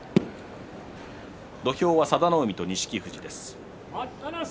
土俵は佐田の海と錦富士です。